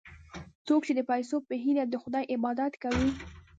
څوک چې د پیسو په هیله د خدای عبادت کوي.